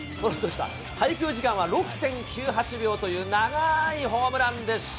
滞空時間は６．９８秒という、長いホームランでした。